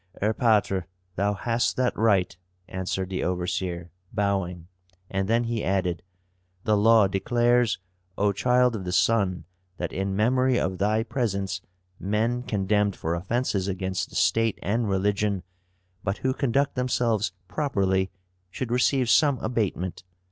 "Erpatr, thou hast that right," answered the overseer, bowing; and then he added: "The law declares, O child of the sun, that in memory of thy presence men condemned for offences against the state and religion, but who conduct themselves properly, should receive some abatement.